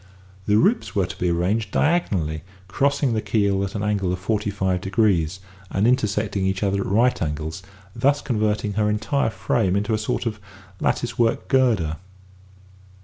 The ribs were to be arranged diagonally crossing the keel at an angle of forty five degrees, and intersecting each other at right angles, thus converting her entire frame into a sort of lattice work girder.